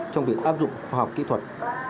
trong việc áp dụng khoa học kỹ thuật